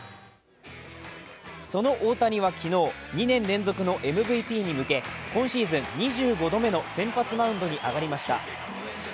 その大谷は昨日、２年連続のＭＶＰに向け今シーズン２５度目の先発マウンドに上がりました。